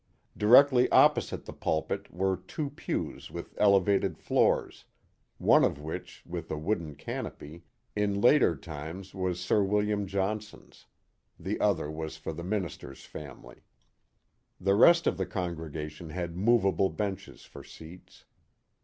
Directly opposite the pulpit were two pews with elevated floors, one of which, with a wooden canopy, in later times was Sir William Johnson's; the other was for the minister's family. The rest of the con gregation had movable benches for seats.